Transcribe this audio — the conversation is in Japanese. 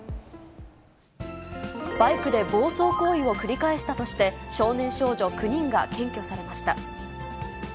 バイクで暴走行為を繰り返したとして、少年少女９人が検挙されました。